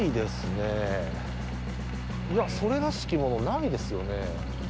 それらしきものないですよね。